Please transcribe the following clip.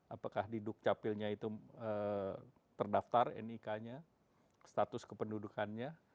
apakah di dukcapilnya itu terdaftar nik nya status kependudukannya